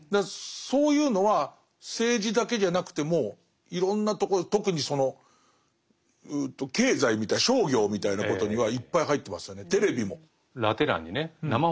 そういうのは政治だけじゃなくてもいろんなとこ特にその経済みたいな商業みたいなことにはいっぱい入ってますよね。